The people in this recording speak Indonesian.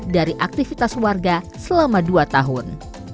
dari aktivitas warga selama dua tahun